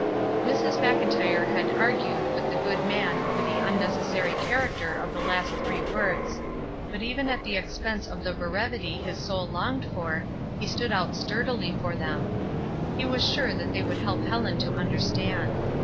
Mrs. Mclntyre had argued with the good man over the umiecessary character of the last three AN EMINENTLY SENSIBLE PERSON 393 words; but even at the expense of the brevity his soul longed for, he stood out sturdily for them. He was sure that they would help Helen to understand.